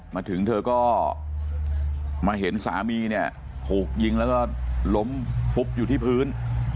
มาถึงเธอก็มาเห็นสามีเนี่ยถูกยิงแล้วก็ล้มฟุบอยู่ที่พื้น